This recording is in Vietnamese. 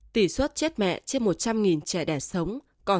tỷ suất chết mẹ trên một trăm linh trẻ đẻ sống còn